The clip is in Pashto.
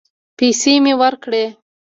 پيسې مې ورکړې.